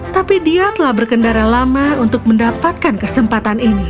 tapi dia telah berkendara lama untuk mendapatkan kesempatan ini